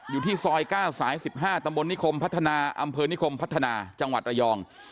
อยู่ที่ซอย๙สาย๑๕ตำบลนิคมพัฒนาอำเภอนิคมพัฒนาจังหวัดระยอง